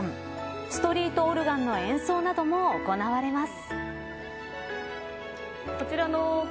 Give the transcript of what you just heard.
ストリートオルガンの演奏なども行われます。